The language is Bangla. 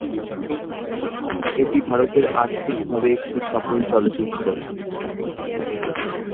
এটি ভারতের আর্থিকভাবে একটি সফল চলচ্চিত্র।